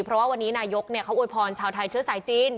เพราะว่าวันนี้นายกเขาอวยพรชาวไทยเชื้อสายจีน